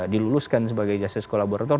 diluluskan sebagai justice kolaborator